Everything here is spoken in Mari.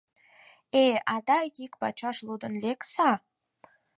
Э, адак ик пачаш лудын лекса...